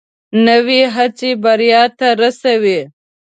نوې هڅه بریا ته رسوي